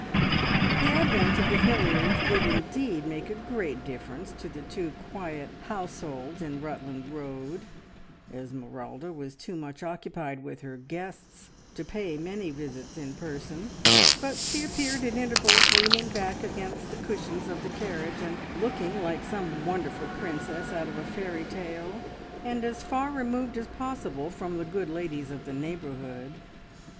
The advent of the Hilliards did indeed make a great difference to the two quiet households in Rutland Road. Esmeralda was too much occupied with her guests to pay many visits in person, but she appeared at intervals, leaning back against the cushions of the carriage, and looking like some wonderful princess out of a fairy tale, and as far removed as possible from the good ladies of the neighbourhood.